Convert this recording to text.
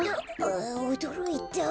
おどろいた。